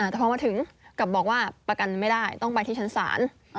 แต่พอมาถึงกลับบอกว่าประกันไม่ได้ต้องไปที่ชั้นศาล